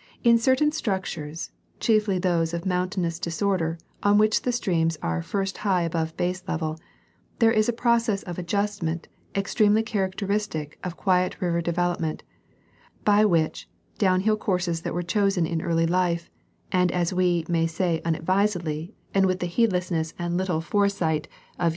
— In certain structures, chiefly those of mountainous disorder on which the streams are at first high above baselevel, there is a process of adjustment ex tremely characteristic of quiet river development, by which the down hill courses that were chosen in early life, and as we may say unadvisedly and with the heedlessness and little foresight of The Rivers and Valleys of Pennsylvania.